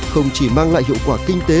không chỉ mang lại hiệu quả kinh tế